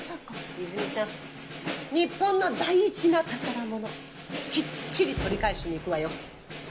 いづみさん日本の大事な宝物きっちり取り返しに行くわよ。